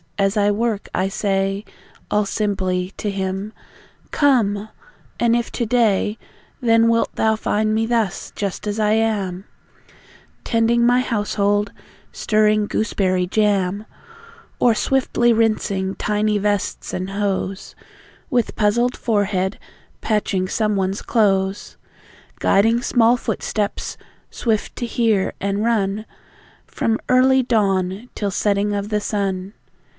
. as I work I say, All simply, to Him: "Come! And if to day, Then wilt Thou find me thus: just as I am Tending my household; stirring goose berry jam; Or swiftly rinsing tiny vests and hose, With puzzled forehead patching some one's clothes; Guiding small footsteps, swift to hear, and run, From early dawn till setting of the sun."